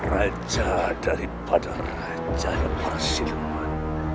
raja daripada raja yang bersiluman